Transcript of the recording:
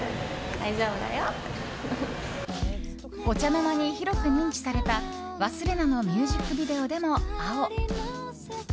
お茶の間に広く認知された「勿忘」のミュージックビデオでも青。